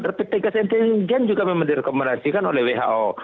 rapid test antigen juga memang direkomendasikan oleh who